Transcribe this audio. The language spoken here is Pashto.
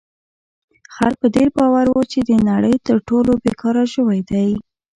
خر په دې باور و چې د نړۍ تر ټولو بې کاره ژوی دی.